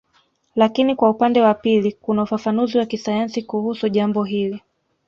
Lakini kwa upande wa pili kuna ufafanuzi wa kisayansi kuhusu jambo hili